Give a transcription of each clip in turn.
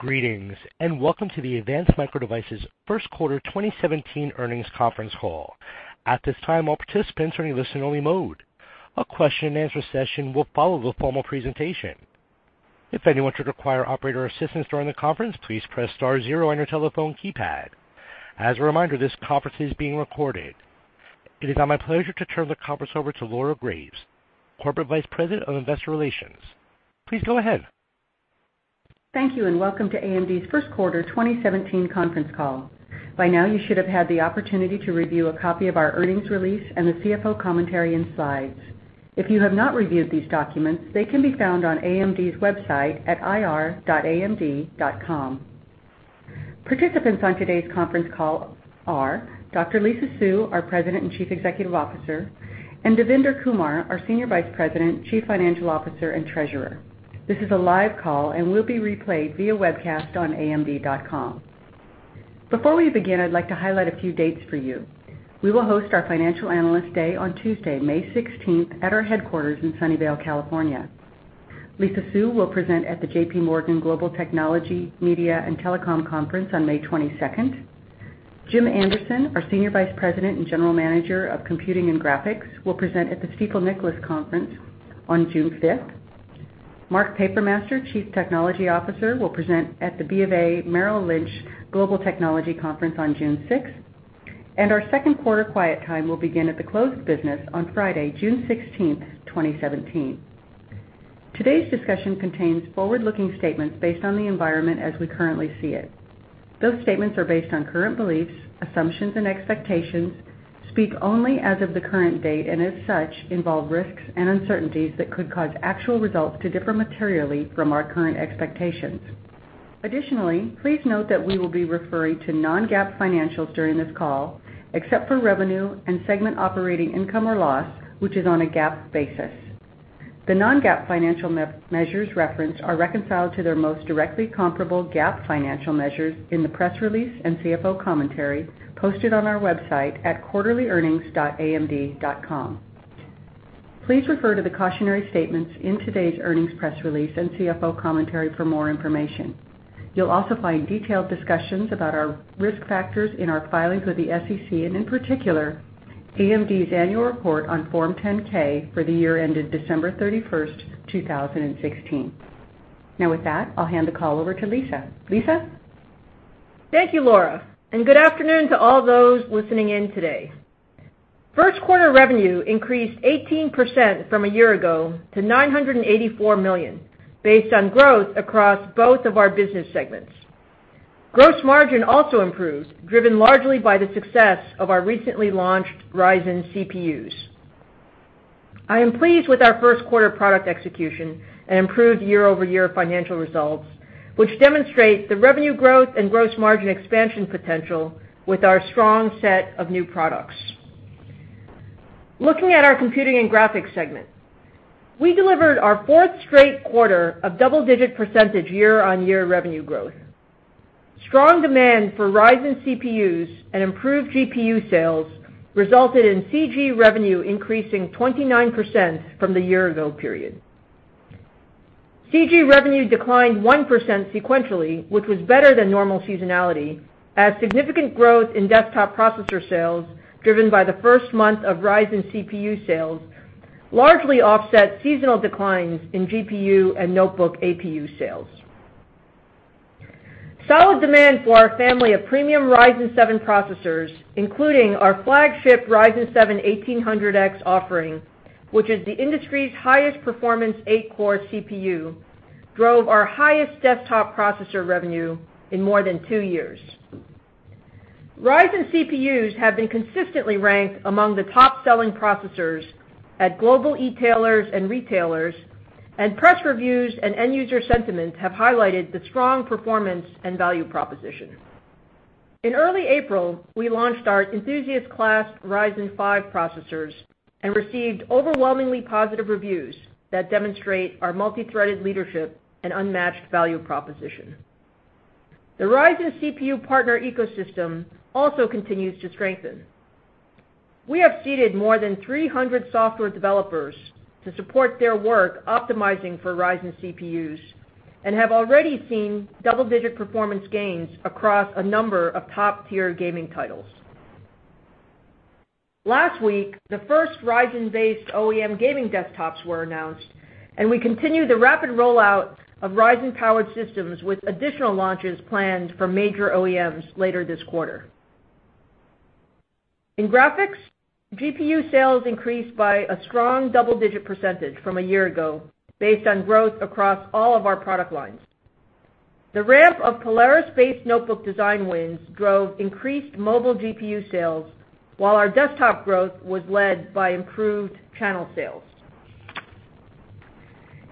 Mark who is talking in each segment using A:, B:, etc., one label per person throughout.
A: Greetings, welcome to the Advanced Micro Devices first quarter 2017 earnings conference call. At this time, all participants are in listen-only mode. A question and answer session will follow the formal presentation. If anyone should require operator assistance during the conference, please press star zero on your telephone keypad. As a reminder, this conference is being recorded. It is now my pleasure to turn the conference over to Laura Graves, Corporate Vice President of Investor Relations. Please go ahead.
B: Thank you, welcome to AMD's first quarter 2017 conference call. By now you should have had the opportunity to review a copy of our earnings release and the CFO commentary and slides. If you have not reviewed these documents, they can be found on AMD's website at ir.amd.com. Participants on today's conference call are Dr. Lisa Su, our President and Chief Executive Officer, Devinder Kumar, our Senior Vice President, Chief Financial Officer, and Treasurer. This is a live call, will be replayed via webcast on amd.com. Before we begin, I'd like to highlight a few dates for you. We will host our financial analyst day on Tuesday, May 16th at our headquarters in Sunnyvale, California. Lisa Su will present at the JP Morgan Global Technology, Media, and Telecom Conference on May 22nd. Jim Anderson, our Senior Vice President and General Manager of Computing and Graphics, will present at the Stifel Nicolaus conference on June 5th. Mark Papermaster, Chief Technology Officer, will present at the BofA Merrill Lynch Global Technology Conference on June 6th. Our second quarter quiet time will begin at the close of business on Friday, June 16th, 2017. Today's discussion contains forward-looking statements based on the environment as we currently see it. Those statements are based on current beliefs, assumptions, and expectations, speak only as of the current date, as such, involve risks and uncertainties that could cause actual results to differ materially from our current expectations. Additionally, please note that we will be referring to non-GAAP financials during this call, except for revenue and segment operating income or loss, which is on a GAAP basis. The non-GAAP financial measures referenced are reconciled to their most directly comparable GAAP financial measures in the press release and CFO commentary posted on our website at quarterlyearnings.amd.com. Please refer to the cautionary statements in today's earnings press release and CFO commentary for more information. You'll also find detailed discussions about our risk factors in our filings with the SEC, in particular, AMD's annual report on Form 10-K for the year ended December 31st, 2016. With that, I'll hand the call over to Lisa. Lisa?
C: Thank you, Laura, and good afternoon to all those listening in today. First quarter revenue increased 18% from a year-ago to $984 million based on growth across both of our business segments. Gross margin also improved, driven largely by the success of our recently launched Ryzen CPUs. I am pleased with our first quarter product execution and improved year-over-year financial results, which demonstrate the revenue growth and gross margin expansion potential with our strong set of new products. Looking at our Computing and Graphics segment, we delivered our fourth straight quarter of double-digit % year-on-year revenue growth. Strong demand for Ryzen CPUs and improved GPU sales resulted in CG revenue increasing 29% from the year-ago period. CG revenue declined 1% sequentially, which was better than normal seasonality as significant growth in desktop processor sales, driven by the first month of Ryzen CPU sales, largely offset seasonal declines in GPU and notebook APU sales. Solid demand for our family of premium Ryzen 7 processors, including our flagship Ryzen 7 1800X offering, which is the industry's highest performance eight-core CPU, drove our highest desktop processor revenue in more than two years. Ryzen CPUs have been consistently ranked among the top-selling processors at global e-tailers and retailers, and press reviews and end user sentiments have highlighted the strong performance and value proposition. In early April, we launched our enthusiast class Ryzen 5 processors and received overwhelmingly positive reviews that demonstrate our multi-threaded leadership and unmatched value proposition. The Ryzen CPU partner ecosystem also continues to strengthen. We have seated more than 300 software developers to support their work optimizing for Ryzen CPUs and have already seen double-digit performance gains across a number of top-tier gaming titles. Last week, the first Ryzen-based OEM gaming desktops were announced, and we continue the rapid rollout of Ryzen-powered systems with additional launches planned for major OEMs later this quarter. In graphics, GPU sales increased by a strong double-digit % from a year-ago based on growth across all of our product lines. The ramp of Polaris-based notebook design wins drove increased mobile GPU sales while our desktop growth was led by improved channel sales.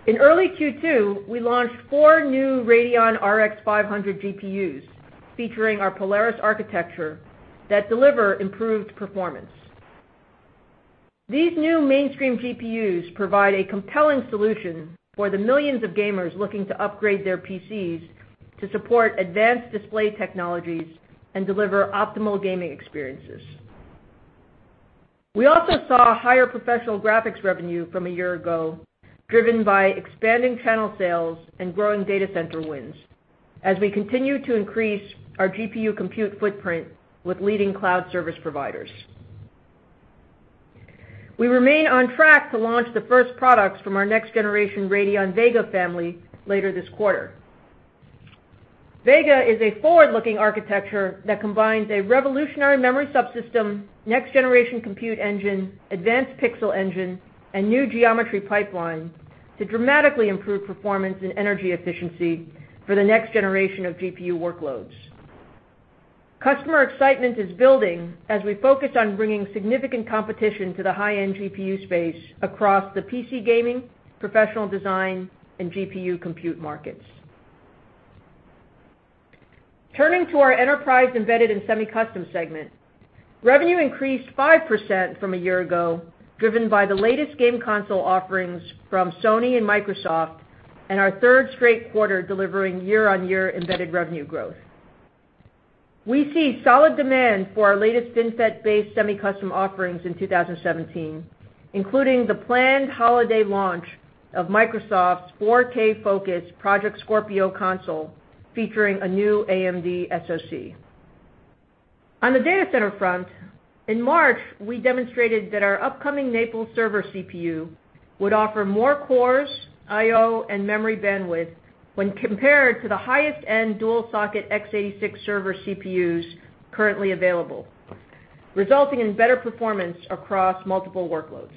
C: In early Q2, we launched four new Radeon RX 500 GPUs featuring our Polaris architecture that deliver improved performance. These new mainstream GPUs provide a compelling solution for the millions of gamers looking to upgrade their PCs to support advanced display technologies and deliver optimal gaming experiences. We also saw higher professional graphics revenue from a year-ago, driven by expanding channel sales and growing data center wins as we continue to increase our GPU compute footprint with leading cloud service providers. We remain on track to launch the first products from our next generation Radeon VEGA family later this quarter. VEGA is a forward-looking architecture that combines a revolutionary memory subsystem, next generation compute engine, advanced pixel engine, and new geometry pipeline to dramatically improve performance and energy efficiency for the next generation of GPU workloads. Customer excitement is building as we focus on bringing significant competition to the high-end GPU space across the PC gaming, professional design, and GPU compute markets. Turning to our Enterprise, Embedded and Semi-Custom segment, revenue increased 5% from a year ago, driven by the latest game console offerings from Sony and Microsoft, and our third straight quarter delivering year-over-year embedded revenue growth. We see solid demand for our latest FinFET-based semi-custom offerings in 2017, including the planned holiday launch of Microsoft's 4K-focused Project Scorpio console, featuring a new AMD SoC. On the data center front, in March, we demonstrated that our upcoming Naples server CPU would offer more cores, IO, and memory bandwidth when compared to the highest-end dual-socket x86 server CPUs currently available, resulting in better performance across multiple workloads.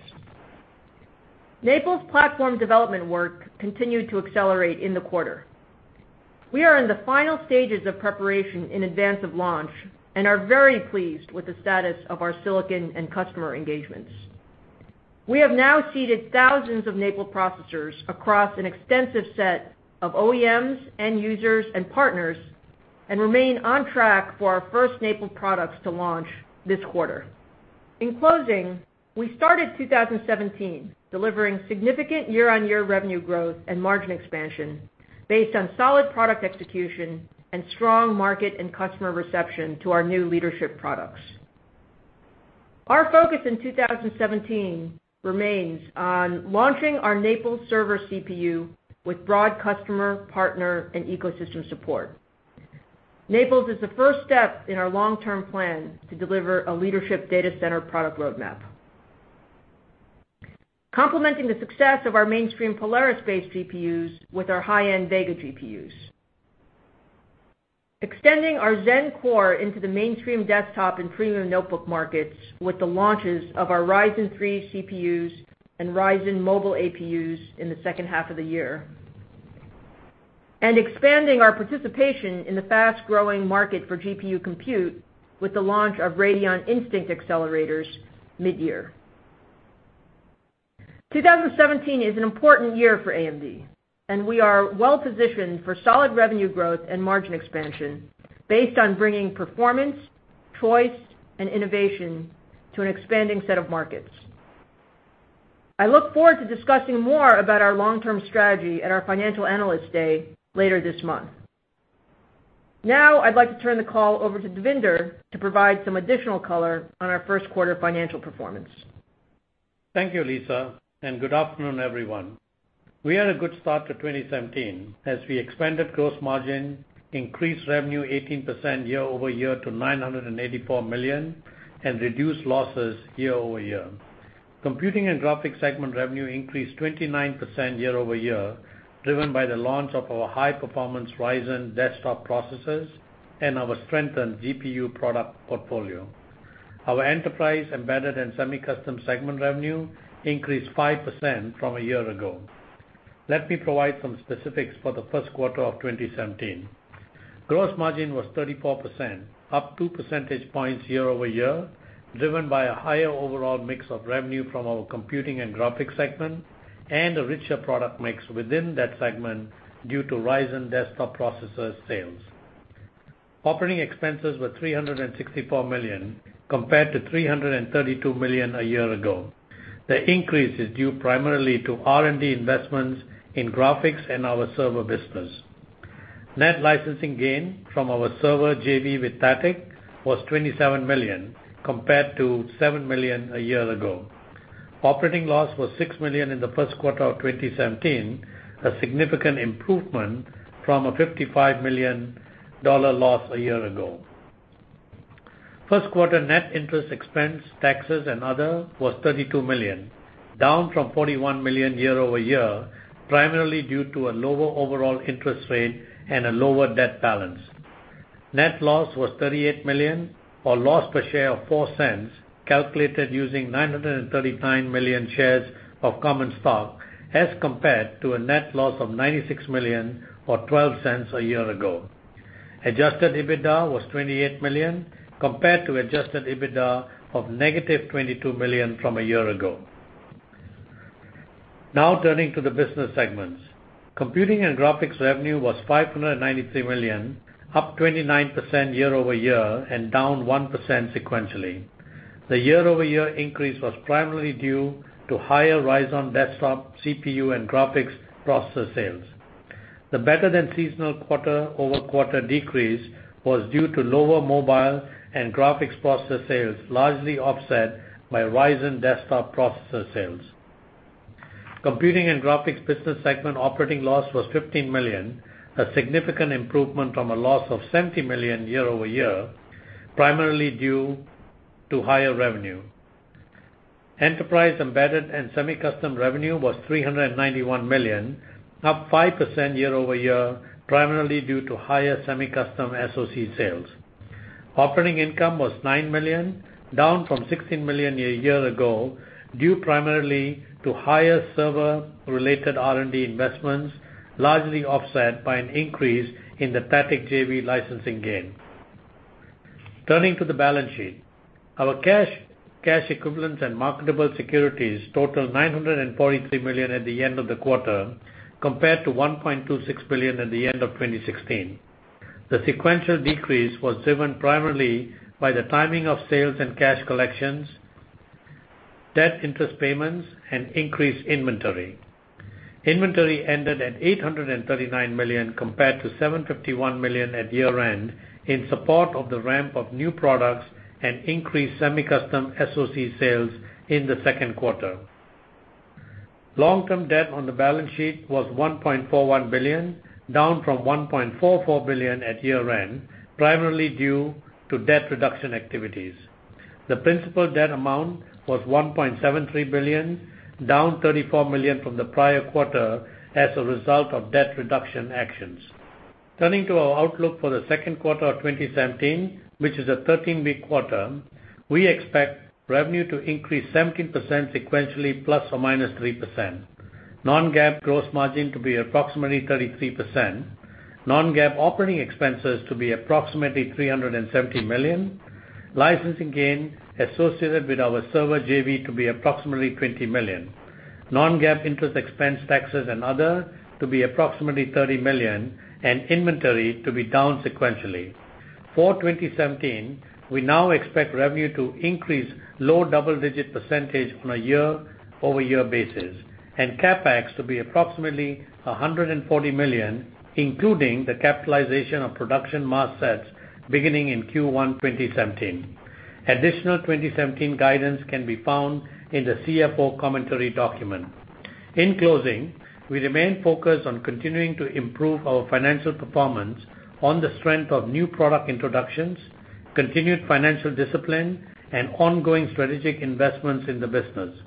C: Naples platform development work continued to accelerate in the quarter. We are in the final stages of preparation in advance of launch and are very pleased with the status of our silicon and customer engagements. We have now seeded thousands of Naples processors across an extensive set of OEMs, end users, and partners, and remain on track for our first Naples products to launch this quarter. In closing, we started 2017 delivering significant year-over-year revenue growth and margin expansion based on solid product execution and strong market and customer reception to our new leadership products. Our focus in 2017 remains on launching our Naples server CPU with broad customer, partner, and ecosystem support. Naples is the first step in our long-term plan to deliver a leadership data center product roadmap. Complementing the success of our mainstream Polaris-based GPUs with our high-end Vega GPUs. Extending our Zen core into the mainstream desktop and premium notebook markets with the launches of our Ryzen 3 CPUs and Ryzen mobile APUs in the second half of the year. Expanding our participation in the fast-growing market for GPU compute with the launch of Radeon Instinct accelerators mid-year. 2017 is an important year for AMD, and we are well-positioned for solid revenue growth and margin expansion based on bringing performance, choice, and innovation to an expanding set of markets. I look forward to discussing more about our long-term strategy at our Financial Analyst Day later this month. Now, I'd like to turn the call over to Devinder to provide some additional color on our first quarter financial performance.
D: Thank you, Lisa, and good afternoon, everyone. We had a good start to 2017 as we expanded gross margin, increased revenue 18% year-over-year to $984 million, and reduced losses year-over-year. Computing and Graphics segment revenue increased 29% year-over-year, driven by the launch of our high-performance Ryzen desktop processors and our strengthened GPU product portfolio. Our Enterprise, Embedded and Semi-Custom segment revenue increased 5% from a year ago. Let me provide some specifics for the first quarter of 2017. Gross margin was 34%, up two percentage points year-over-year, driven by a higher overall mix of revenue from our Computing and Graphics segment and a richer product mix within that segment due to Ryzen desktop processors sales. Operating expenses were $364 million compared to $332 million a year ago. The increase is due primarily to R&D investments in graphics and our server business. Net licensing gain from our server JV with THATIC was $27 million, compared to $7 million a year ago. Operating loss was $6 million in the first quarter of 2017, a significant improvement from a $55 million loss a year ago. First quarter net interest expense, taxes, and other was $32 million, down from $41 million year-over-year, primarily due to a lower overall interest rate and a lower debt balance. Net loss was $38 million, or loss per share of $0.04, calculated using 939 million shares of common stock as compared to a net loss of $96 million or $0.12 a year ago. Adjusted EBITDA was $28 million compared to adjusted EBITDA of negative $22 million from a year ago. Turning to the business segments. Computing and Graphics revenue was $593 million, up 29% year-over-year and down 1% sequentially. The year-over-year increase was primarily due to higher Ryzen desktop CPU and graphics processor sales. The better than seasonal quarter-over-quarter decrease was due to lower mobile and graphics processor sales, largely offset by Ryzen desktop processor sales. Computing and Graphics business segment operating loss was $15 million, a significant improvement from a loss of $70 million year-over-year, primarily due to higher revenue. Enterprise, Embedded, and Semi-Custom revenue was $391 million, up 5% year-over-year, primarily due to higher semi-custom SoC sales. Operating income was $9 million, down from $16 million a year ago, due primarily to higher server-related R&D investments, largely offset by an increase in the THATIC JV licensing gain. Turning to the balance sheet. Our cash equivalents and marketable securities total $943 million at the end of the quarter, compared to $1.26 billion at the end of 2016. The sequential decrease was driven primarily by the timing of sales and cash collections, debt interest payments, and increased inventory. Inventory ended at $839 million compared to $751 million at year-end, in support of the ramp of new products and increased semi-custom SoC sales in the second quarter. Long-term debt on the balance sheet was $1.41 billion, down from $1.44 billion at year-end, primarily due to debt reduction activities. The principal debt amount was $1.73 billion, down $34 million from the prior quarter as a result of debt reduction actions. Turning to our outlook for the second quarter of 2017, which is a 13-week quarter, we expect revenue to increase 17% sequentially, ±3%. Non-GAAP gross margin to be approximately 33%. Non-GAAP operating expenses to be approximately $370 million. Licensing gain associated with our server JV to be approximately $20 million. Non-GAAP interest expense, taxes, and other to be approximately $30 million. Inventory to be down sequentially. For 2017, we now expect revenue to increase low double-digit percentage on a year-over-year basis, and CapEx to be approximately $140 million, including the capitalization of production mask sets beginning in Q1 2017. Additional 2017 guidance can be found in the CFO commentary document. In closing, we remain focused on continuing to improve our financial performance on the strength of new product introductions, continued financial discipline, and ongoing strategic investments in the business.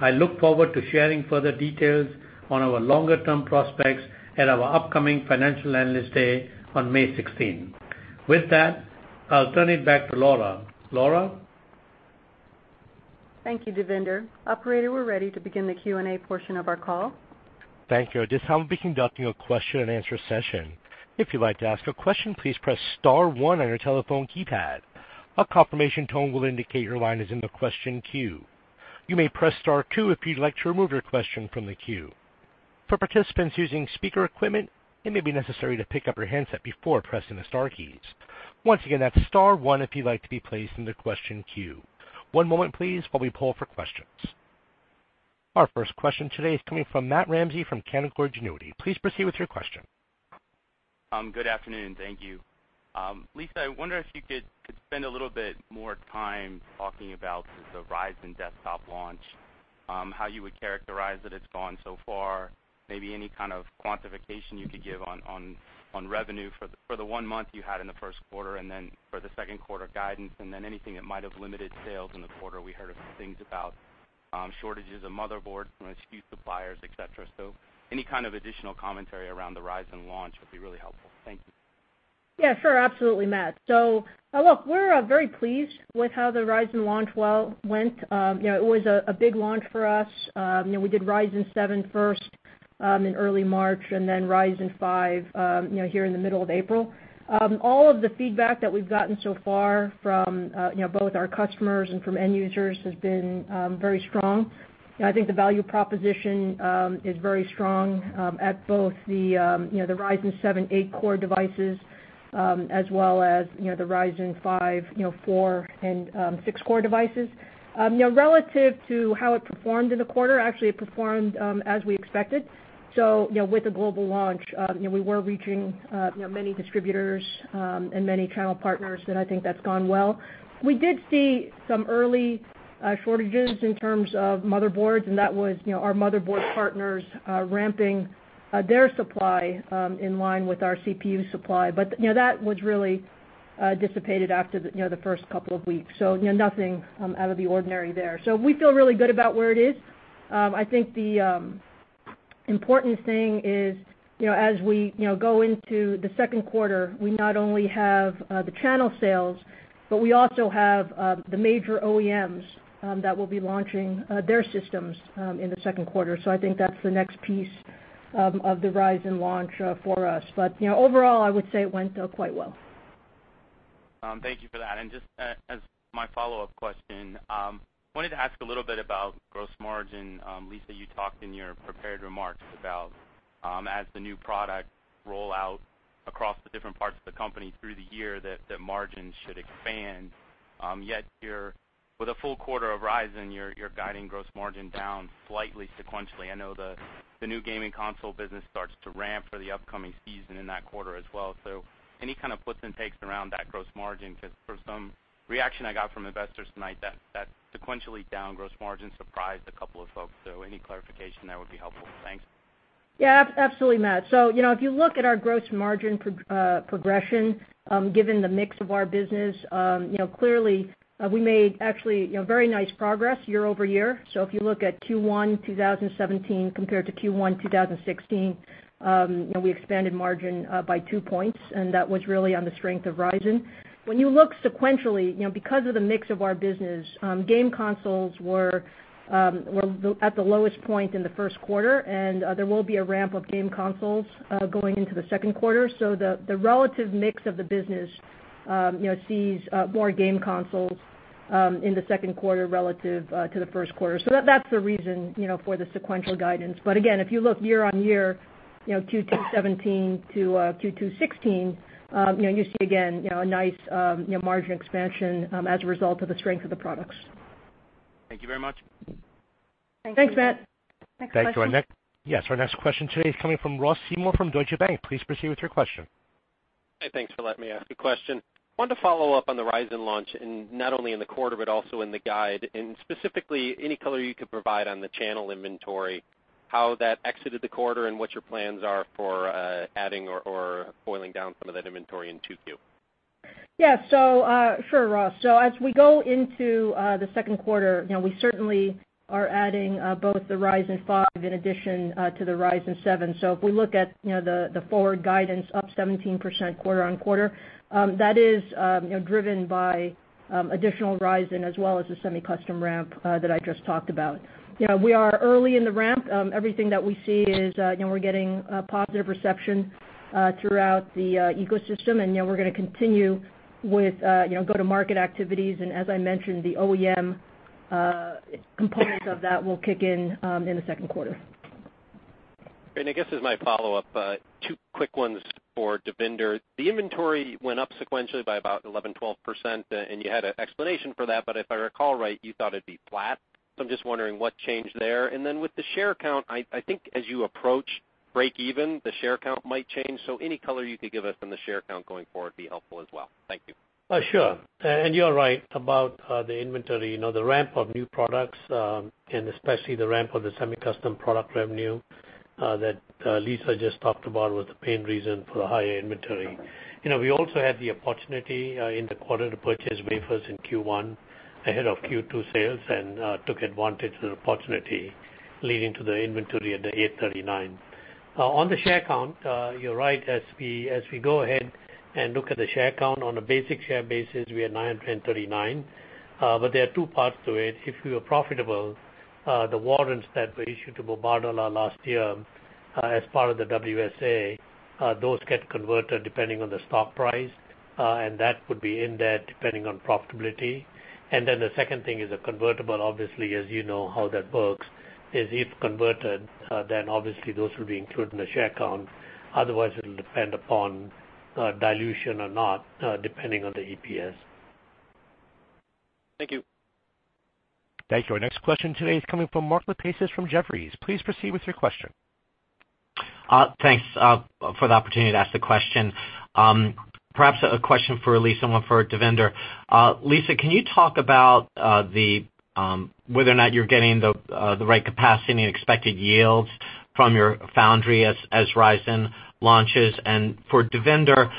D: I look forward to sharing further details on our longer-term prospects at our upcoming Financial Analyst Day on May 16th. With that, I'll turn it back to Laura. Laura?
B: Thank you, Devinder. Operator, we're ready to begin the Q&A portion of our call.
A: Thank you. At this time, we'll be conducting a question and answer session. If you'd like to ask a question, please press star one on your telephone keypad. A confirmation tone will indicate your line is in the question queue. You may press star two if you'd like to remove your question from the queue. For participants using speaker equipment, it may be necessary to pick up your handset before pressing the star keys. Once again, that's star one if you'd like to be placed in the question queue. One moment, please, while we poll for questions. Our first question today is coming from Matthew Ramsay from Canaccord Genuity. Please proceed with your question.
E: Good afternoon. Thank you. Lisa, I wonder if you could spend a little bit more time talking about the Ryzen desktop launch, how you would characterize that it's gone so far, maybe any kind of quantification you could give on revenue for the one month you had in the first quarter, and then for the second quarter guidance, anything that might have limited sales in the quarter. We heard a few things about shortages of motherboard from a few suppliers, et cetera. Any kind of additional commentary around the Ryzen launch would be really helpful. Thank you.
C: Yeah, sure. Absolutely, Matt. Look, we're very pleased with how the Ryzen launch went. It was a big launch for us. We did Ryzen 7 first in early March and then Ryzen 5 here in the middle of April. All of the feedback that we've gotten so far from both our customers and from end users has been very strong. I think the value proposition is very strong at both the Ryzen 7 8-core devices, as well as the Ryzen 5, 4-core, and 6-core devices. Relative to how it performed in the quarter, actually, it performed as we expected. With the global launch, we were reaching many distributors and many channel partners, and I think that's gone well. We did see some early shortages in terms of motherboards, and that was our motherboard partners ramping their supply in line with our CPU supply. That was really dissipated after the first couple of weeks. Nothing out of the ordinary there. We feel really good about where it is. I think the important thing is, as we go into the second quarter, we not only have the channel sales, but we also have the major OEMs that will be launching their systems in the second quarter. I think that's the next piece of the Ryzen launch for us. Overall, I would say it went quite well.
E: Thank you for that. Just as my follow-up question, I wanted to ask a little bit about gross margin. Lisa, you talked in your prepared remarks about as the new product roll out across the different parts of the company through the year that margin should expand. Yet, with a full quarter of Ryzen, you're guiding gross margin down slightly sequentially. I know the new gaming console business starts to ramp for the upcoming season in that quarter as well. Any kind of puts and takes around that gross margin? Because for some reaction I got from investors tonight, that sequentially down gross margin surprised a couple of folks. Any clarification there would be helpful. Thanks.
C: Yeah, absolutely, Matt. If you look at our gross margin progression, given the mix of our business, clearly, we made actually very nice progress year-over-year. If you look at Q1 2017 compared to Q1 2016, we expanded margin by two points, and that was really on the strength of Ryzen. When you look sequentially, because of the mix of our business, game consoles were at the lowest point in the first quarter, and there will be a ramp of game consoles going into the second quarter. The relative mix of the business sees more game consoles in the second quarter relative to the first quarter. That's the reason for the sequential guidance. Again, if you look year-on-year, Q2 2017 to Q2 2016, you see again, a nice margin expansion as a result of the strength of the products.
E: Thank you very much.
C: Thanks, Matt. Next question.
A: Thanks. Our next question today is coming from Ross Seymore from Deutsche Bank. Please proceed with your question.
F: Hi, thanks for letting me ask a question. Wanted to follow up on the Ryzen launch, and not only in the quarter but also in the guide, and specifically any color you could provide on the channel inventory, how that exited the quarter and what your plans are for adding or boiling down some of that inventory in 2Q.
C: Yeah. Sure, Ross. As we go into the second quarter, we certainly are adding both the Ryzen 5 in addition to the Ryzen 7. If we look at the forward guidance up 17% quarter-over-quarter, that is driven by additional Ryzen as well as the semi-custom ramp that I just talked about. We are early in the ramp. Everything that we see is we're getting positive reception throughout the ecosystem, and we're going to continue with go-to-market activities. As I mentioned, the OEM component of that will kick in in the second quarter.
F: I guess as my follow-up, two quick ones for Devinder. The inventory went up sequentially by about 11%-12%, you had an explanation for that. If I recall right, you thought it'd be flat. I'm just wondering what changed there. With the share count, I think as you approach break even, the share count might change. Any color you could give us on the share count going forward would be helpful as well. Thank you.
D: Sure. You're right about the inventory. The ramp of new products, especially the ramp of the semi-custom product revenue that Lisa just talked about, was the main reason for the higher inventory.
F: Okay.
D: We also had the opportunity in the quarter to purchase wafers in Q1 ahead of Q2 sales and took advantage of the opportunity leading to the inventory at the $839. On the share count, you're right. As we go ahead and look at the share count on a basic share basis, we are 939, but there are two parts to it. If we were profitable, the warrants that were issued to Mubadala last year as part of the WSA, those get converted depending on the stock price, that would be in there depending on profitability. The second thing is a convertible, obviously, as you know how that works, is if converted, then obviously those will be included in the share count. Otherwise, it'll depend upon dilution or not, depending on the EPS.
F: Thank you.
A: Thank you. Our next question today is coming from Mark Lipacis from Jefferies. Please proceed with your question.
G: Thanks for the opportunity to ask the question. Perhaps a question for Lisa and one for Devinder. Lisa, can you talk about whether or not you're getting the right capacity and the expected yields from your foundry as Ryzen launches? For Devinder,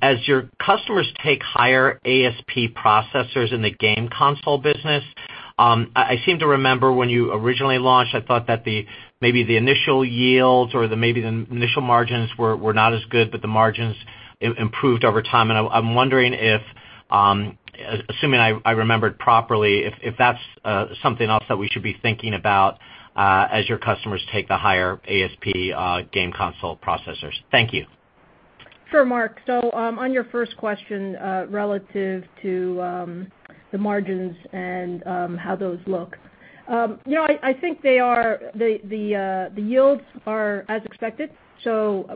G: as your customers take higher ASP processors in the game console business, I seem to remember when you originally launched, I thought that maybe the initial yields or maybe the initial margins were not as good, but the margins improved over time. I'm wondering if, assuming I remembered properly, if that's something else that we should be thinking about as your customers take the higher ASP game console processors. Thank you.
C: Sure, Mark. On your first question, relative to the margins and how those look. I think the yields are as expected. Both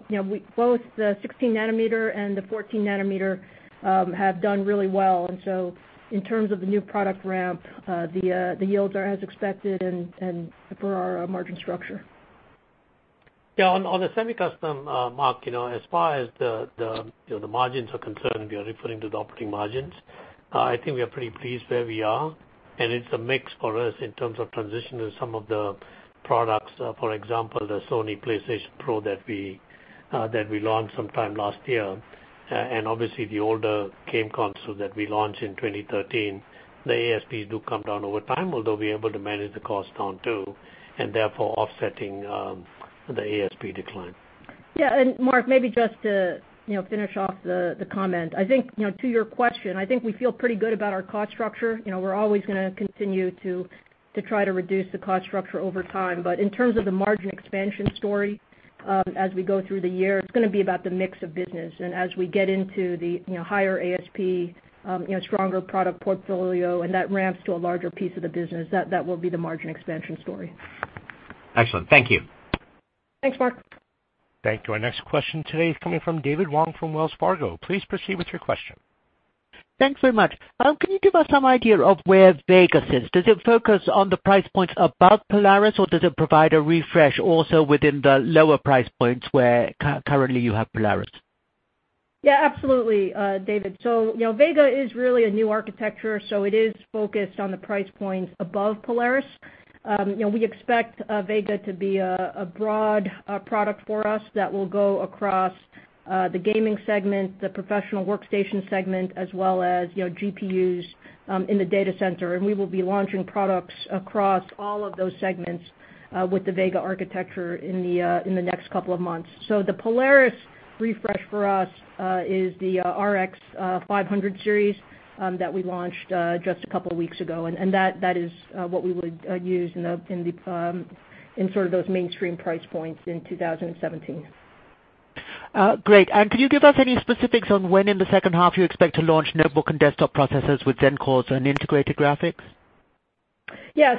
C: the 16 nanometer and the 14 nanometer have done really well. In terms of the new product ramp, the yields are as expected and for our margin structure.
D: Yeah. On the semi-custom, Mark, as far as the margins are concerned, you're referring to the operating margins, I think we are pretty pleased where we are, and it's a mix for us in terms of transition of some of the products. For example, the Sony PlayStation Pro that we launched sometime last year, and obviously the older game console that we launched in 2013, the ASPs do come down over time, although we're able to manage the cost down, too, and therefore offsetting the ASP decline.
C: Mark, maybe just to finish off the comment. I think to your question, I think we feel pretty good about our cost structure. We're always going to continue to try to reduce the cost structure over time. But in terms of the margin expansion story as we go through the year, it's going to be about the mix of business. As we get into the higher ASP, stronger product portfolio, and that ramps to a larger piece of the business, that will be the margin expansion story.
G: Excellent. Thank you.
C: Thanks, Mark.
A: Thank you. Our next question today is coming from David Wong from Wells Fargo. Please proceed with your question.
H: Thanks very much. Can you give us some idea of where Vega is? Does it focus on the price points above Polaris, or does it provide a refresh also within the lower price points where currently you have Polaris?
C: Yeah, absolutely, David. Vega is really a new architecture, so it is focused on the price points above Polaris. We expect Vega to be a broad product for us that will go across the gaming segment, the professional workstation segment, as well as GPUs in the data center. We will be launching products across all of those segments with the Vega architecture in the next couple of months. The Polaris refresh for us is the RX 500 series that we launched just a couple of weeks ago, and that is what we would use in sort of those mainstream price points in 2017.
H: Great. Could you give us any specifics on when in the second half you expect to launch notebook and desktop processors with Zen cores and integrated graphics?
C: Yeah.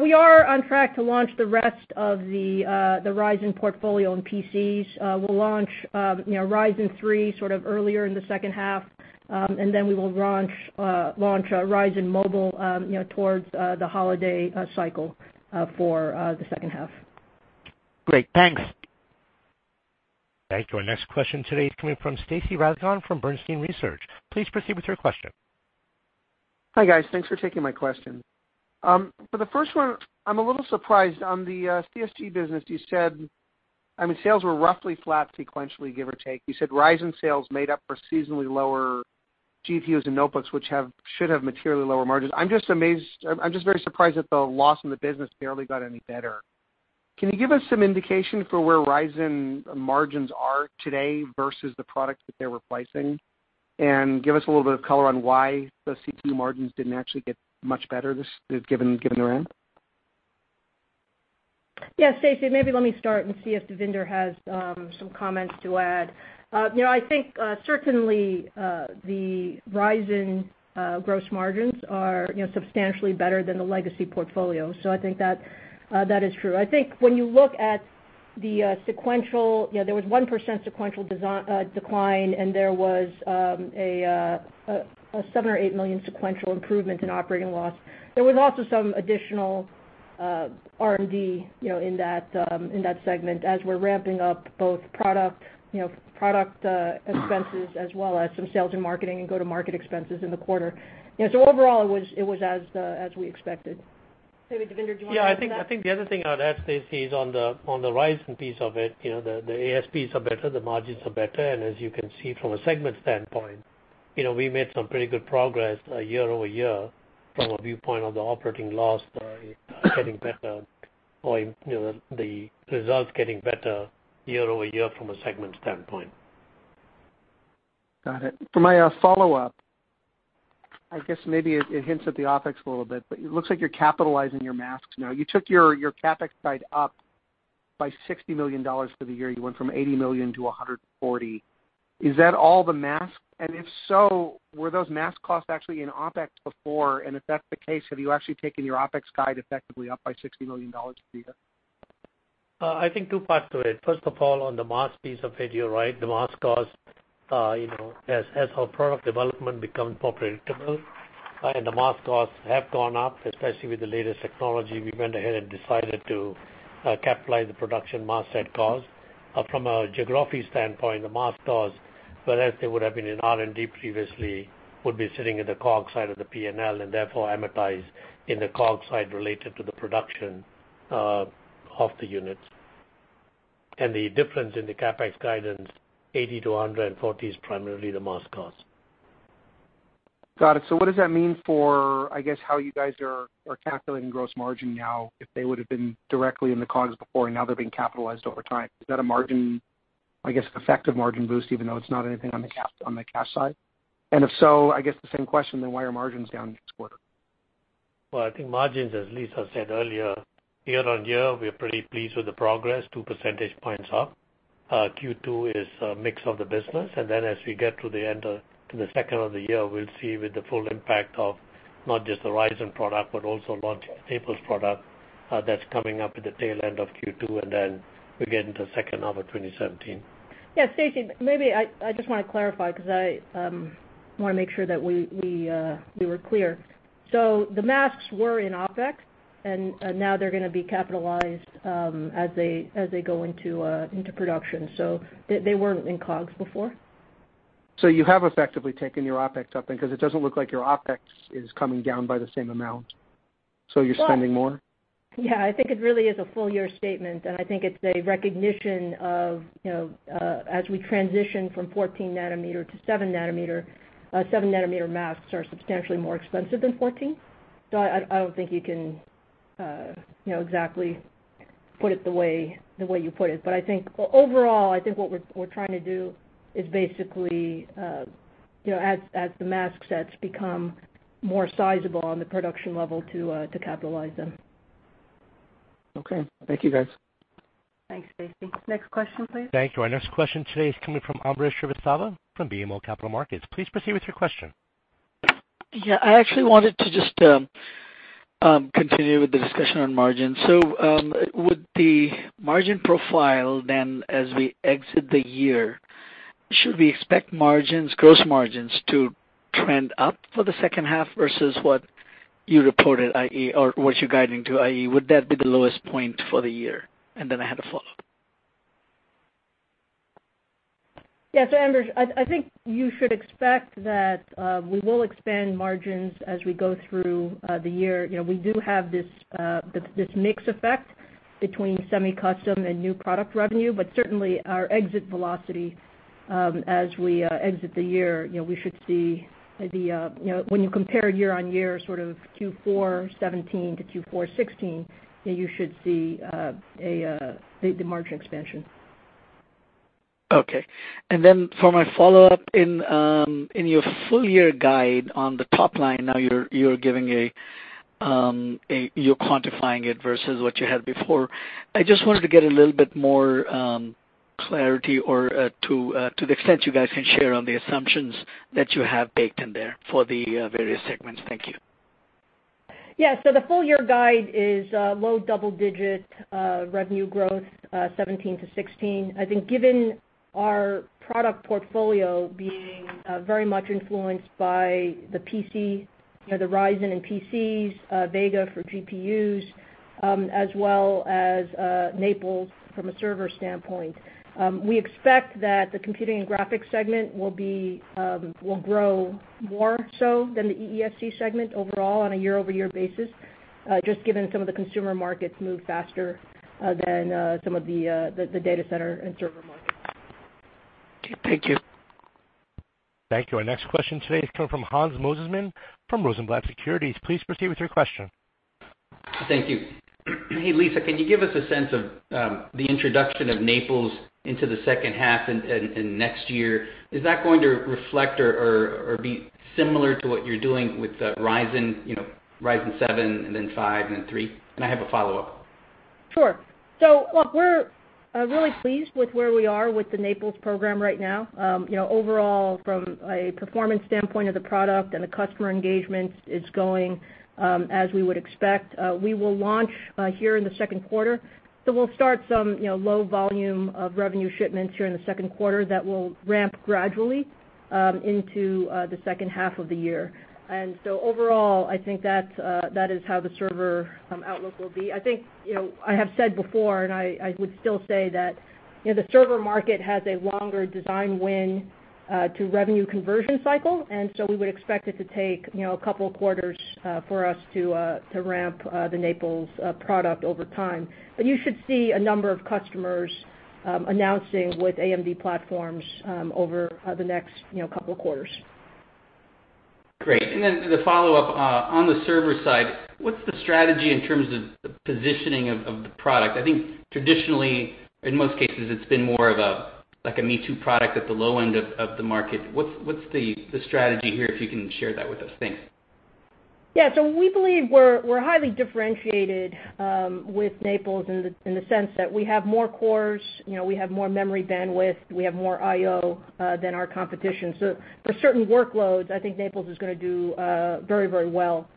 C: We are on track to launch the rest of the Ryzen portfolio on PCs. We'll launch Ryzen 3 sort of earlier in the second half, and then we will launch Ryzen Mobile towards the holiday cycle for the second half.
H: Great. Thanks.
A: Thank you. Our next question today is coming from Stacy Rasgon from Bernstein Research. Please proceed with your question.
I: Hi, guys. Thanks for taking my question. For the first one, I'm a little surprised on the CSG business, you said sales were roughly flat sequentially, give or take. You said Ryzen sales made up for seasonally lower GPUs and notebooks, which should have materially lower margins. I'm just very surprised that the loss in the business barely got any better. Can you give us some indication for where Ryzen margins are today versus the product that they're replacing? And give us a little bit of color on why the CPU margins didn't actually get much better this given round.
C: Yeah. Stacy, maybe let me start and see if Devinder has some comments to add. I think certainly, the Ryzen gross margins are substantially better than the legacy portfolio. I think that is true. I think when you look at the sequential, there was 1% sequential decline, and there was a $7 million or $8 million sequential improvement in operating loss. There was also some additional R&D in that segment as we're ramping up both product expenses as well as some sales and marketing and go-to-market expenses in the quarter. Overall, it was as we expected. Maybe, Devinder, do you want to add to that?
D: Yeah, I think the other thing I'd add, Stacy, is on the Ryzen piece of it, the ASPs are better, the margins are better, and as you can see from a segment standpoint, we made some pretty good progress year-over-year from a viewpoint of the operating loss getting better, or the results getting better year-over-year from a segment standpoint.
I: Got it. For my follow-up, I guess maybe it hints at the OpEx a little bit, but it looks like you're capitalizing your masks now. You took your CapEx guide up by $60 million for the year. You went from $80 million to $140 million. Is that all the masks? If so, were those mask costs actually in OpEx before? If that's the case, have you actually taken your OpEx guide effectively up by $60 million for the year?
D: I think two parts to it. First of all, on the mask piece of it, you're right. The mask cost, as our product development becomes more predictable and the mask costs have gone up, especially with the latest technology, we went ahead and decided to capitalize the production mask set cost. From a geography standpoint, the mask cost, whereas they would have been in R&D previously, would be sitting in the COGS side of the P&L, and therefore, amortized in the COGS side related to the production of the units. The difference in the CapEx guidance, 80 to 140, is primarily the mask cost.
I: Got it. What does that mean for, I guess, how you guys are calculating gross margin now, if they would've been directly in the COGS before and now they're being capitalized over time? Is that a margin, I guess, effective margin boost, even though it's not anything on the cash side? If so, I guess the same question, then why are margins down next quarter?
D: I think margins, as Lisa said earlier, year-on-year, we are pretty pleased with the progress, 2 percentage points up. Q2 is a mix of the business, and then as we get to the end of the second of the year, we'll see with the full impact of not just the Ryzen product, but also launch Naples product that's coming up at the tail end of Q2, and then we get into second half of 2017.
C: Stacy, maybe I just want to clarify because I want to make sure that we were clear. The masks were in OpEx, and now they're going to be capitalized as they go into production. They weren't in COGS before.
I: You have effectively taken your OpEx up then, because it doesn't look like your OpEx is coming down by the same amount. You're spending more?
C: I think it really is a full year statement, and I think it's a recognition of as we transition from 14 nanometer to 7 nanometer, 7 nanometer masks are substantially more expensive than 14. I don't think you can exactly put it the way you put it. I think overall, I think what we're trying to do is basically as the mask sets become more sizable on the production level to capitalize them.
I: Okay. Thank you, guys.
C: Thanks, Stacy. Next question, please.
A: Thank you. Our next question today is coming from Ambrish Srivastava from BMO Capital Markets. Please proceed with your question.
J: Yeah, I actually wanted to just continue with the discussion on margins. With the margin profile then as we exit the year, should we expect gross margins to trend up for the second half versus what you reported, or what you're guiding to, i.e., would that be the lowest point for the year? I had a follow-up.
C: Yes. Ambrish, I think you should expect that we will expand margins as we go through the year. We do have this mix effect between semi-custom and new product revenue, but certainly our exit velocity as we exit the year, when you compare year-over-year Q4 2017 to Q4 2016, you should see the margin expansion.
J: Okay. For my follow-up, in your full year guide on the top line, now you're quantifying it versus what you had before. I just wanted to get a little bit more clarity or to the extent you guys can share on the assumptions that you have baked in there for the various segments. Thank you.
C: The full year guide is low double-digit revenue growth, 2017 to 2016. I think given our product portfolio being very much influenced by the Ryzen and PCs, Vega for GPUs, as well as Naples from a server standpoint. We expect that the Computing and Graphics segment will grow more so than the EESC segment overall on a year-over-year basis, just given some of the consumer markets move faster than some of the data center and server markets.
J: Okay. Thank you.
A: Thank you. Our next question today is coming from Hans Mosesmann from Rosenblatt Securities. Please proceed with your question.
K: Thank you. Hey, Lisa, can you give us a sense of the introduction of Naples into the second half and next year? Is that going to reflect or be similar to what you're doing with the Ryzen? Ryzen 7, then 5, then 3. I have a follow-up.
C: Sure. Look, we're really pleased with where we are with the Naples program right now. Overall from a performance standpoint of the product and the customer engagement, it's going as we would expect. We will launch here in the second quarter. We'll start some low volume of revenue shipments here in the second quarter that will ramp gradually into the second half of the year. Overall, I think that is how the server outlook will be. I think, I have said before, I would still say that, the server market has a longer design win to revenue conversion cycle, we would expect it to take a couple of quarters for us to ramp the Naples product over time. You should see a number of customers announcing with AMD platforms over the next couple of quarters.
K: Great. Then the follow-up, on the server side, what's the strategy in terms of the positioning of the product? I think traditionally, in most cases, it's been more of a me-too product at the low end of the market. What's the strategy here, if you can share that with us? Thanks.
C: Yeah. We believe we're highly differentiated with Naples in the sense that we have more cores, we have more memory bandwidth, we have more IO than our competition. For certain workloads, I think Naples is going to do very well,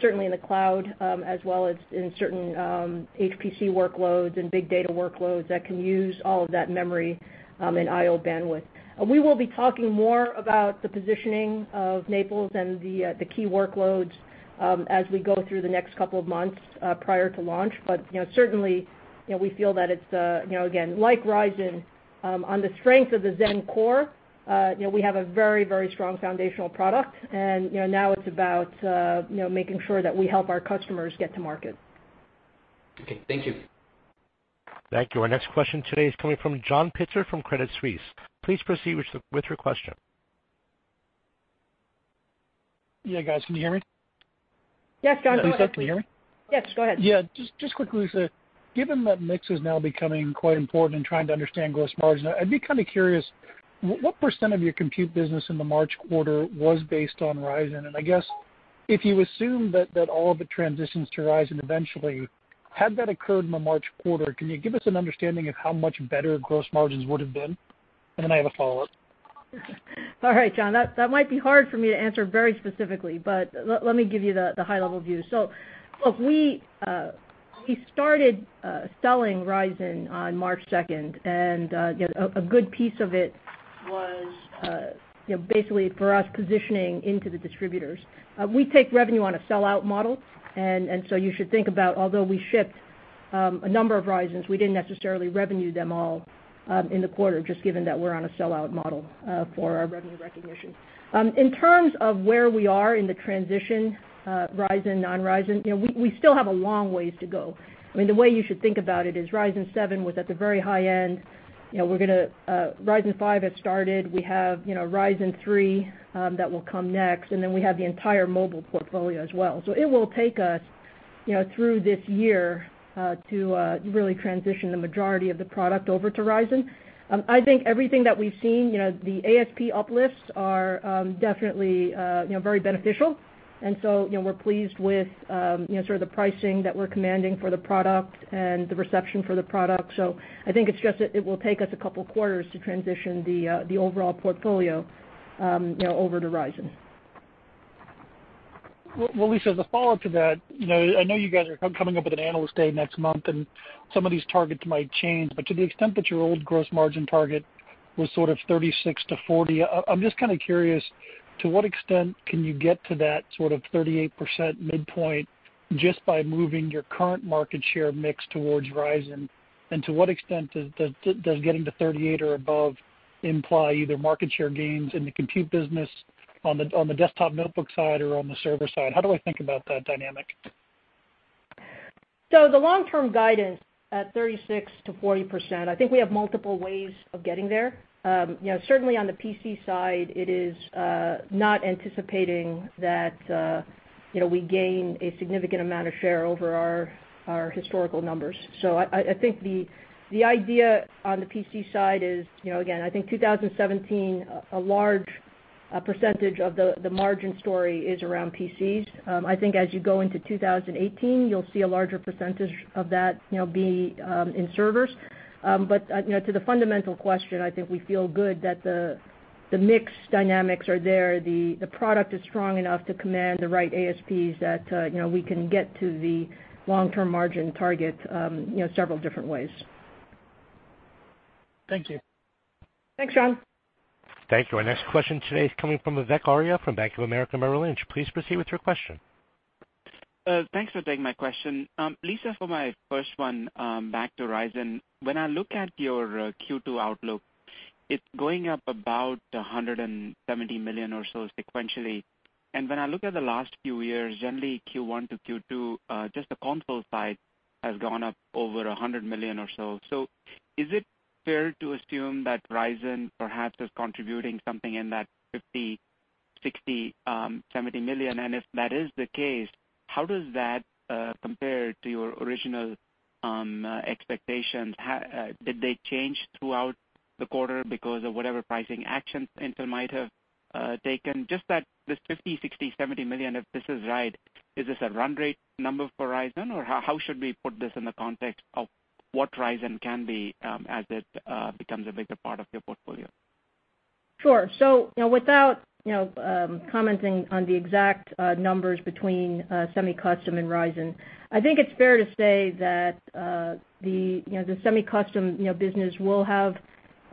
C: certainly in the cloud, as well as in certain HPC workloads and big data workloads that can use all of that memory and IO bandwidth. We will be talking more about the positioning of Naples and the key workloads as we go through the next couple of months prior to launch. Certainly, we feel that it's, again, like Ryzen, on the strength of the Zen core, we have a very strong foundational product, and now it's about making sure that we help our customers get to market.
K: Okay. Thank you.
A: Thank you. Our next question today is coming from John Pitzer from Credit Suisse. Please proceed with your question.
L: Yeah, guys. Can you hear me?
C: Yes, John. Go ahead, please.
L: Lisa, can you hear me?
C: Yes, go ahead.
L: Yeah. Just quickly, Lisa. Given that mix is now becoming quite important in trying to understand gross margin, I'd be kind of curious, what % of your compute business in the March quarter was based on Ryzen? I guess if you assume that all of it transitions to Ryzen eventually, had that occurred in the March quarter, can you give us an understanding of how much better gross margins would've been? I have a follow-up.
C: John, that might be hard for me to answer very specifically, but let me give you the high-level view. Look, we started selling Ryzen on March 2nd. A good piece of it was basically for us positioning into the distributors. We take revenue on a sellout model, you should think about, although we shipped a number of Ryzens, we didn't necessarily revenue them all in the quarter, just given that we're on a sellout model for our revenue recognition. In terms of where we are in the transition, Ryzen, non-Ryzen, we still have a long ways to go. I mean, the way you should think about it is Ryzen 7 was at the very high end. Ryzen 5 has started. We have Ryzen 3 that will come next, and then we have the entire mobile portfolio as well. It will take us through this year to really transition the majority of the product over to Ryzen. I think everything that we've seen, the ASP uplifts are definitely very beneficial. We're pleased with sort of the pricing that we're commanding for the product and the reception for the product. I think it's just that it will take us a couple of quarters to transition the overall portfolio.
L: Well, Lisa, as a follow-up to that, I know you guys are coming up with an Analyst Day next month, some of these targets might change. To the extent that your old gross margin target was sort of 36%-40%, I'm just kind of curious, to what extent can you get to that sort of 38% midpoint just by moving your current market share mix towards Ryzen? To what extent does getting to 38% or above imply either market share gains in the compute business, on the desktop/notebook side, or on the server side? How do I think about that dynamic?
C: The long-term guidance at 36%-40%, I think we have multiple ways of getting there. Certainly, on the PC side, it is not anticipating that we gain a significant amount of share over our historical numbers. I think the idea on the PC side is, again, I think 2017, a large percentage of the margin story is around PCs. I think as you go into 2018, you'll see a larger percentage of that be in servers. To the fundamental question, I think we feel good that the mix dynamics are there. The product is strong enough to command the right ASPs that we can get to the long-term margin target several different ways.
L: Thank you.
C: Thanks, John.
A: Thank you. Our next question today is coming from Vivek Arya from Bank of America Merrill Lynch. Please proceed with your question.
M: Thanks for taking my question. Lisa, for my first one, back to Ryzen. When I look at your Q2 outlook, it's going up about $170 million or so sequentially. When I look at the last few years, generally Q1 to Q2, just the console side has gone up over $100 million or so. Is it fair to assume that Ryzen perhaps is contributing something in that $50 million, $60 million, $70 million? If that is the case, how does that compare to your original expectations? Did they change throughout the quarter because of whatever pricing actions Intel might have taken? Just that this $50 million, $60 million, $70 million, if this is right, is this a run rate number for Ryzen? How should we put this in the context of what Ryzen can be as it becomes a bigger part of your portfolio?
C: Sure. Without commenting on the exact numbers between semi-custom and Ryzen, I think it's fair to say that the semi-custom business will have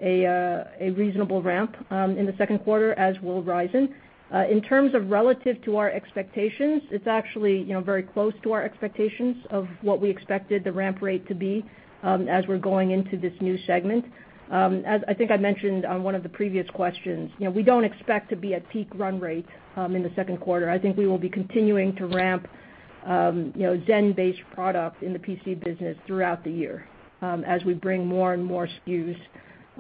C: a reasonable ramp in the second quarter, as will Ryzen. In terms of relative to our expectations, it's actually very close to our expectations of what we expected the ramp rate to be as we're going into this new segment. I think I mentioned on one of the previous questions, we don't expect to be at peak run rate in the second quarter. We will be continuing to ramp Zen-based product in the PC business throughout the year as we bring more and more SKUs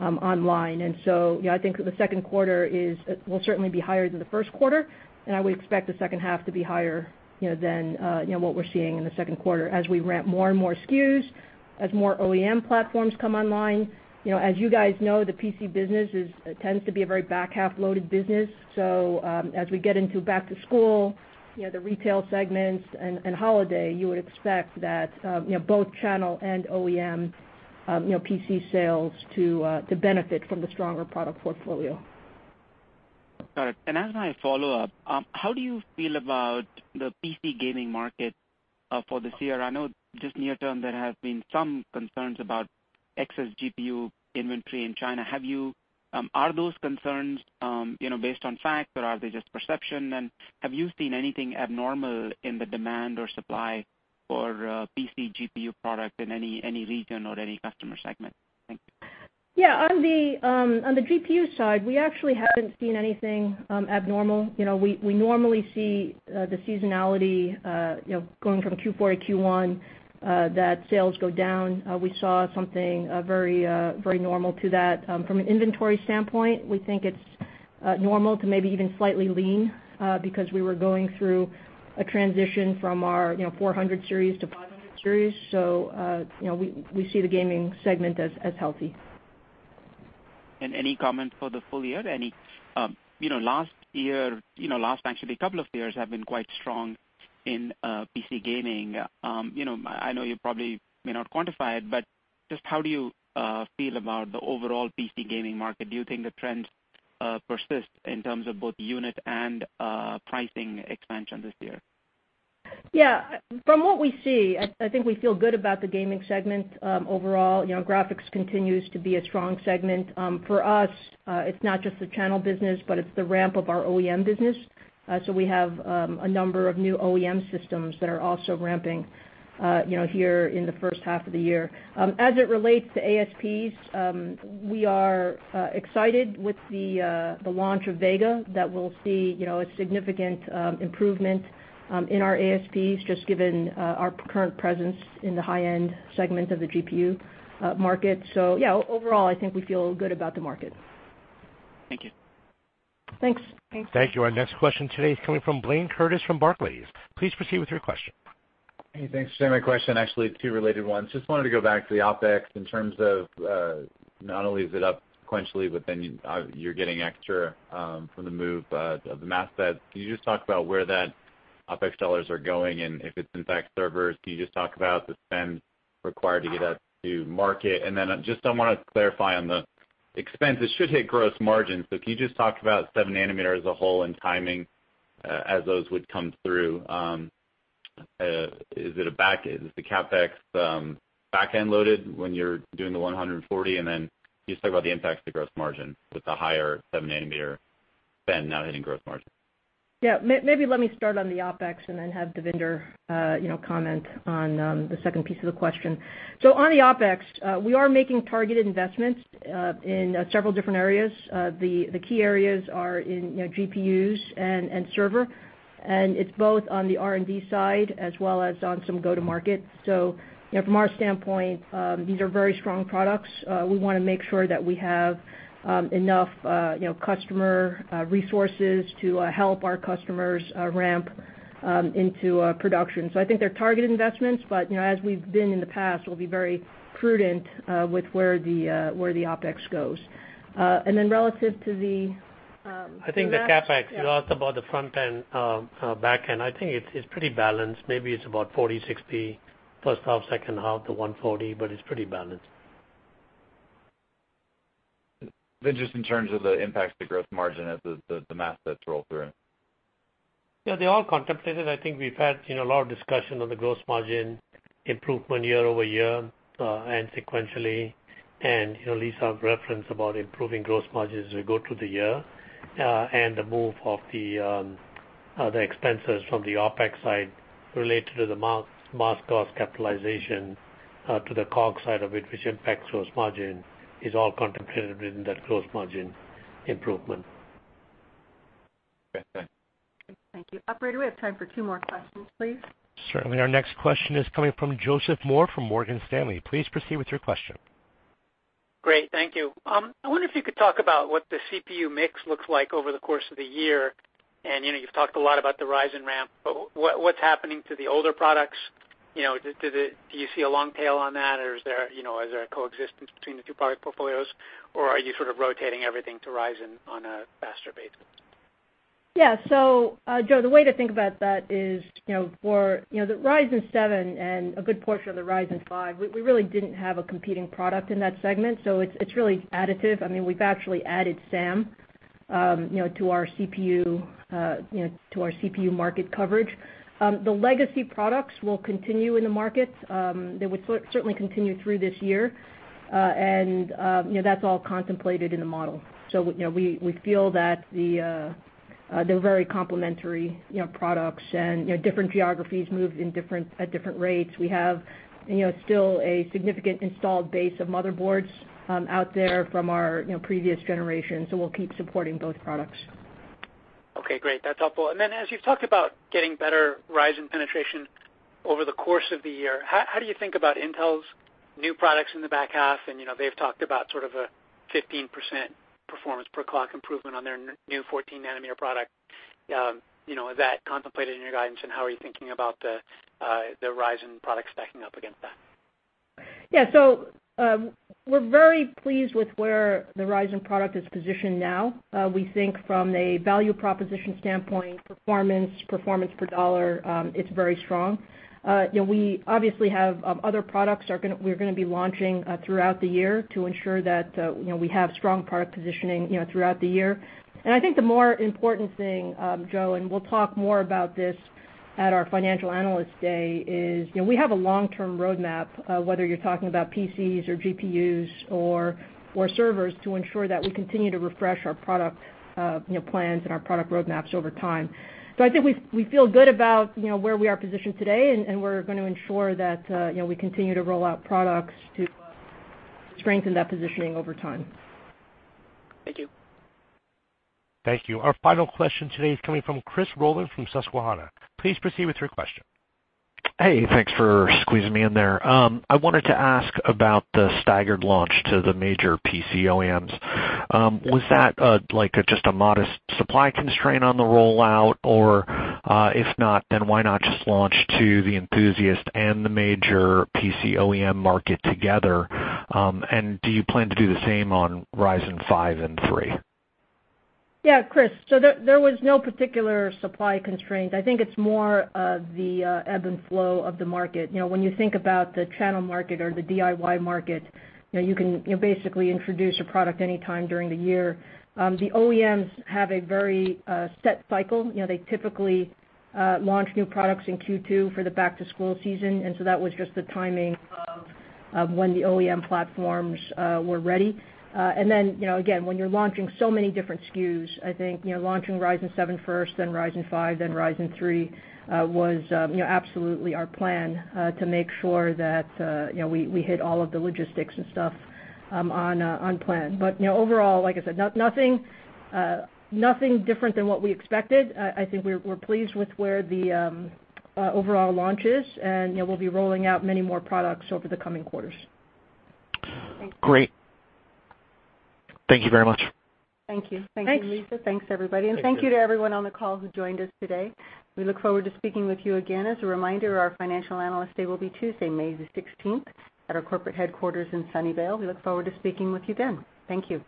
C: online. I think the second quarter will certainly be higher than the first quarter, and I would expect the second half to be higher than what we're seeing in the second quarter as we ramp more and more SKUs, as more OEM platforms come online. You guys know, the PC business tends to be a very back-half-loaded business. As we get into back to school, the retail segments, and holiday, you would expect that both channel and OEM PC sales to benefit from the stronger product portfolio.
M: Got it. As my follow-up, how do you feel about the PC gaming market for this year? I know just near term, there have been some concerns about excess GPU inventory in China. Are those concerns based on fact, or are they just perception? Have you seen anything abnormal in the demand or supply for PC GPU product in any region or any customer segment? Thank you.
C: Yeah. On the GPU side, we actually haven't seen anything abnormal. We normally see the seasonality going from Q4 to Q1 that sales go down. We saw something very normal to that. From an inventory standpoint, we think it's normal to maybe even slightly lean because we were going through a transition from our 400 series to 500 series. We see the gaming segment as healthy.
M: Any comment for the full year? Last actually couple of years have been quite strong in PC gaming. I know you probably may not quantify it, but just how do you feel about the overall PC gaming market? Do you think the trends persist in terms of both unit and pricing expansion this year?
C: From what we see, I think we feel good about the gaming segment overall. Graphics continues to be a strong segment. For us, it's not just the channel business, but it's the ramp of our OEM business. We have a number of new OEM systems that are also ramping here in the first half of the year. As it relates to ASPs, we are excited with the launch of Vega that we'll see a significant improvement in our ASPs, just given our current presence in the high-end segment of the GPU market. Overall, I think we feel good about the market.
M: Thank you.
C: Thanks.
A: Thank you. Our next question today is coming from Blaine Curtis from Barclays. Please proceed with your question.
N: Hey, thanks. My question, actually two related ones. Wanted to go back to the OpEx in terms of not only is it up sequentially, but then you're getting extra from the move of the mask set. Can you just talk about where that OpEx sellers are going. If it's in fact servers, can you just talk about the spend required to get us to market? I just want to clarify on the expenses should hit gross margins. Can you just talk about 7 nanometer as a whole and timing, as those would come through? Is the CapEx back-end loaded when you're doing the $140? Can you just talk about the impacts to gross margin with the higher 7 nanometer spend now hitting gross margin?
C: Yeah. Maybe let me start on the OpEx. Have Devinder comment on the second piece of the question. On the OpEx, we are making targeted investments in several different areas. The key areas are in GPUs and server. It's both on the R&D side as well as on some go-to-market. From our standpoint, these are very strong products. We want to make sure that we have enough customer resources to help our customers ramp into production. I think they're targeted investments, as we've been in the past, we'll be very prudent with where the OpEx goes. Relative to the-
D: I think the CapEx, you asked about the front-end, back-end, I think it's pretty balanced. Maybe it's about 40, 60, first half, second half, the $140. It's pretty balanced.
N: Just in terms of the impact to the gross margin as the mask sets rolled through.
D: They're all contemplated. I think we've had a lot of discussion on the gross margin improvement year-over-year, and sequentially. Lisa referenced about improving gross margins as we go through the year, the move of the expenses from the OpEx side related to the mask cost capitalization to the COGS side of it, which impacts gross margin, is all contemplated within that gross margin improvement.
N: Okay, thanks.
B: Thank you. Operator, we have time for two more questions, please.
A: Certainly. Our next question is coming from Joseph Moore from Morgan Stanley. Please proceed with your question.
O: Great. Thank you. I wonder if you could talk about what the CPU mix looks like over the course of the year, and you've talked a lot about the Ryzen ramp, but what's happening to the older products? Do you see a long tail on that, or is there a coexistence between the two product portfolios, or are you sort of rotating everything to Ryzen on a faster basis?
C: Yeah. Joe, the way to think about that is for the Ryzen 7 and a good portion of the Ryzen 5, we really didn't have a competing product in that segment, so it's really additive. We've actually added TAM to our CPU market coverage. The legacy products will continue in the market. They would certainly continue through this year. That's all contemplated in the model. We feel that they're very complementary products, and different geographies move at different rates. We have still a significant installed base of motherboards out there from our previous generation, so we'll keep supporting both products.
O: Okay, great. That's helpful. Then as you've talked about getting better Ryzen penetration over the course of the year, how do you think about Intel's new products in the back half? They've talked about sort of a 15% performance per clock improvement on their new 14 nanometer product. Is that contemplated in your guidance, and how are you thinking about the Ryzen product stacking up against that?
C: Yeah. We're very pleased with where the Ryzen product is positioned now. We think from a value proposition standpoint, performance per dollar, it's very strong. We obviously have other products we're going to be launching throughout the year to ensure that we have strong product positioning throughout the year. I think the more important thing, Joe, and we'll talk more about this at our Financial Analyst Day, is we have a long-term roadmap, whether you're talking about PCs or GPUs or servers, to ensure that we continue to refresh our product plans and our product roadmaps over time. I think we feel good about where we are positioned today, and we're going to ensure that we continue to roll out products to strengthen that positioning over time.
O: Thank you.
A: Thank you. Our final question today is coming from Chris Rolland from Susquehanna. Please proceed with your question.
P: Hey, thanks for squeezing me in there. I wanted to ask about the staggered launch to the major PC OEMs. Was that just a modest supply constraint on the rollout? Or if not, then why not just launch to the enthusiast and the major PC OEM market together? Do you plan to do the same on Ryzen 5 and 3?
C: Chris. There was no particular supply constraint. I think it's more of the ebb and flow of the market. When you think about the channel market or the DIY market, you can basically introduce a product any time during the year. The OEMs have a very set cycle. They typically launch new products in Q2 for the back-to-school season. That was just the timing of when the OEM platforms were ready. Again, when you're launching so many different SKUs, I think, launching Ryzen 7 first, then Ryzen 5, then Ryzen 3 was absolutely our plan to make sure that we hit all of the logistics and stuff on plan. Overall, like I said, nothing different than what we expected. I think we're pleased with where the overall launch is, and we'll be rolling out many more products over the coming quarters.
B: Thanks.
P: Great. Thank you very much.
B: Thank you.
C: Thanks.
B: Thank you, Lisa. Thanks, everybody. Thank you to everyone on the call who joined us today. We look forward to speaking with you again. As a reminder, our Financial Analyst Day will be Tuesday, May the 16th at our corporate headquarters in Sunnyvale. We look forward to speaking with you then. Thank you.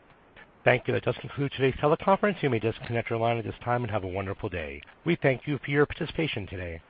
A: Thank you. That does conclude today's teleconference. You may disconnect your line at this time, and have a wonderful day. We thank you for your participation today.